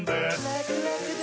ラクラクだ！